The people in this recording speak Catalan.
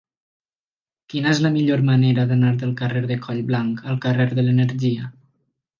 Quina és la millor manera d'anar del carrer de Collblanc al carrer de l'Energia?